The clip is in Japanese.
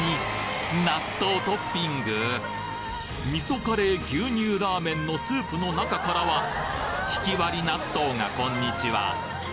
納豆トッピング？味噌カレー牛乳ラーメンのスープの中からはひきわり納豆がこんにちは！